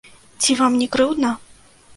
Ці вам не крыўдна?